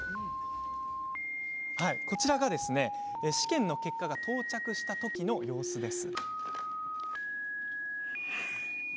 こちら、試験の結果が到着したときの様子です。